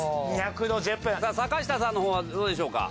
坂下さんの方はどうでしょうか？